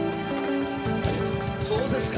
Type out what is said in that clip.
そうですか。